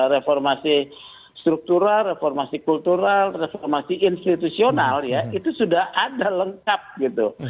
reformasi struktural reformasi kultural reformasi institusional ya itu sudah ada lengkap gitu